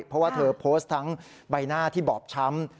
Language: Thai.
เพราะว่าเธอโพสต์ทั้งใบหน้าที่บอบช้ำ